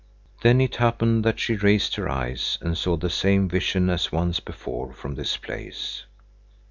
Then it happened that she raised her eyes and saw the same vision as once before from this place.